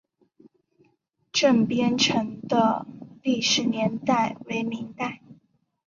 镇边城的历史年代为明代。